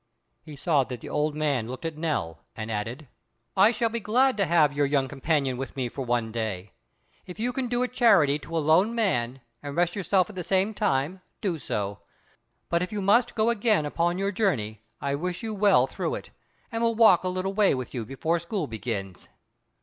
He saw that the old man looked at Nell, and added,— "I shall be glad to have your young companion with me for one day. If you can do a charity to a lone man, and rest yourself at the same time, do so. But if you must go again upon your journey, I wish you well through it, and will walk a little way with you before school begins."